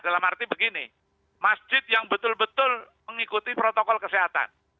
dalam arti begini masjid yang betul betul mengikuti protokol kesehatan